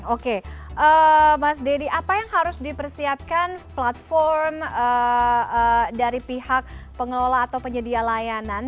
oke mas deddy apa yang harus dipersiapkan platform dari pihak pengelola atau penyedia layanan